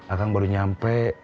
akan baru nyampe